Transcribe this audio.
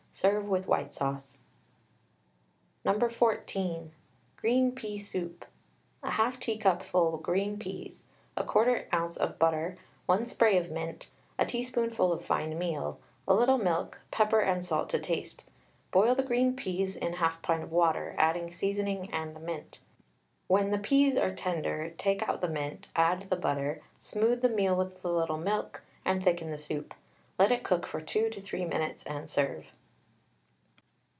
Serve with white sauce. No. 14. GREEN PEA SOUP. 1/2 teacupful green peas, 1/4 oz. of butter, 1 spray of mint, a teaspoonful of fine meal, a little milk, pepper and salt to taste. Boil the green peas in 1/2 pint of water, adding seasoning and the mint. When the peas are tender, take out the mint, add the butter, smooth the meal with a little milk, and thicken the soup. Let it cook for 2 to 3 minutes, and serve.